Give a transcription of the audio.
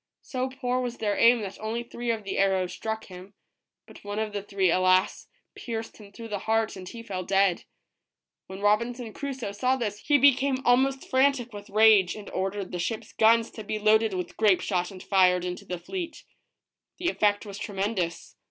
So poor was their aim that only three of the arrows struck him, but one of the three, alas, pierced him through the heart and he fell dead. When Robinson Crusoe saw this he became almost frantic with rage, and ordered the ship's guns to be loaded with grape shot and fired into the fleet. The effect was tremendous.